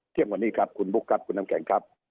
วันนี้ครับคุณบุ๊คครับคุณน้ำแข็งครับ